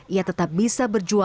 ia tetap bisa berjualan